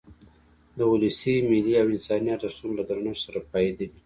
د ولسي، ملي او انساني ارزښتونو له درنښت سره پاېدلی.